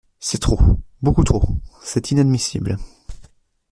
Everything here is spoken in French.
C’est trop, beaucoup trop, c’est inadmissible.